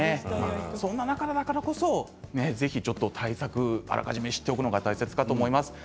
そんな中だからこそぜひ対策をあらかじめ知っておくのが大切かと思います。